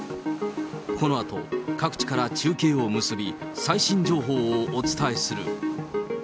このあと、各地から中継を結び、最新情報をお伝えする。